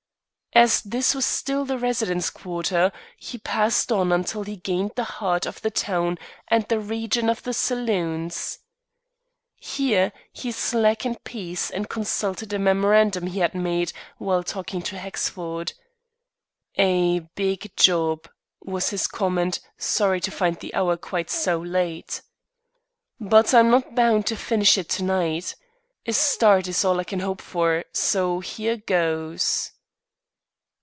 As this was still the residence quarter, he passed on until he gained the heart of the town and the region of the saloons. Here he slackened pace and consulted a memorandum he had made while talking to Hexford. "A big job," was his comment, sorry to find the hour quite so late. "But I'm not bound to finish it to night. A start is all I can hope for, so here goes."